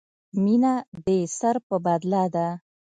مینه دې سر په بدله ده.